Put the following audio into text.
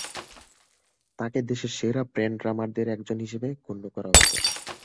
তাকে দেশের সেরা ব্যান্ড ড্রামার দের একজন হিসেবে গণ্য করা হত।